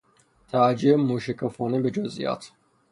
توجه موشکافانه به جزئیات